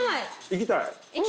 行きたい！